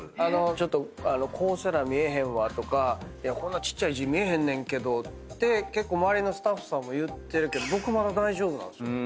こうせな見えへんわとかこんなちっちゃい字見えへんねんけどって結構周りのスタッフさんも言ってるけど僕まだ大丈夫なんすよ。